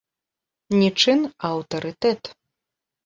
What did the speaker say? Не чын, а аўтарытэт.